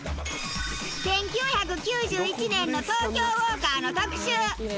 １９９１年の『東京ウォーカー』の特集。